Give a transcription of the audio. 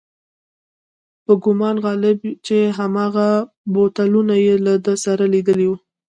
په ګومان غالب چې هماغه بوتلونه یې له ده سره لیدلي و.